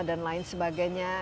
dan lain sebagainya